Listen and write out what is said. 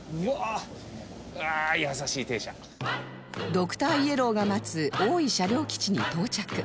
ドクターイエローが待つ大井車両基地に到着